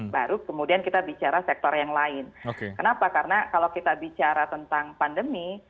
baru kemudian kita bicara sektor yang lain kenapa karena kalau kita bicara tentang pandemi